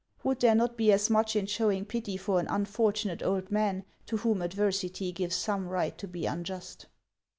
Would there not be as much in showing pity for an unfortunate old man to whom adversity gives some right to be unjust